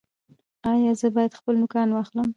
ایا زه باید خپل نوکان واخلم؟